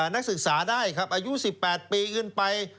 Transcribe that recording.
นักศึกษาได้ครับอายุ๑๘ปีขึ้นไป